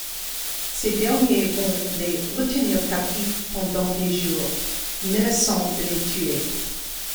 Ces derniers vont les retenir captifs pendant des jours, menaçant de les tuer.